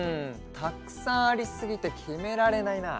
たくさんありすぎてきめられないな。